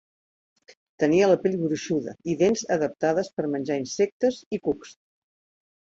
Tenia la pell gruixuda i dents adaptades per menjar insectes i cucs.